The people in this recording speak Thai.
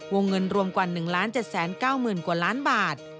วงเงินรวมกว่านึงล้านเจ็ดแสนเก้าหมื่นกว่าล้านบาท